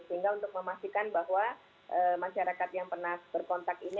sehingga untuk memastikan bahwa masyarakat yang pernah berkontak ini